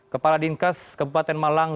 kepala dinkes kebupaten malang